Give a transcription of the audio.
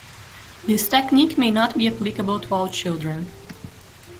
This technique may not be applicable to all children.